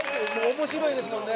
面白いですもんね。